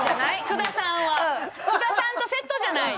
津田さんとセットじゃない。